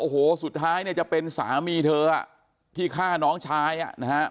โอ้โหสุดท้ายเนี่ยจะเป็นสามีเธออ่ะที่ฆ่าน้องชายอ่ะนะฮะ